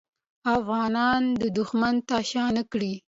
افغانان دښمن ته شا نه کړه.